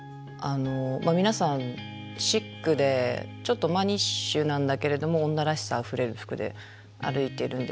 皆さんシックでちょっとマニッシュなんだけれども女らしさあふれる服で歩いてるんですよね。